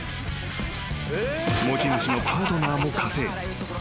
［持ち主のパートナーも加勢］